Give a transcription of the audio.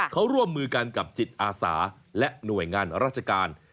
เขาร่วมมือกันกับจิตอาสาและหน่วยงานราชการ